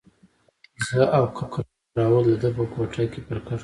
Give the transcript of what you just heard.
زه او کراول د ده په کوټه کې پر کټ کښېناستو.